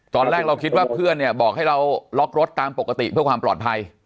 ตอนแรกเราคิดว่าเพื่อนเนี่ยบอกให้เราล็อกรถตามปกติเพื่อความปลอดภัย